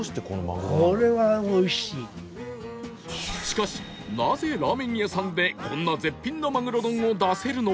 しかしなぜラーメン屋さんでこんな絶品のマグロ丼を出せるのか？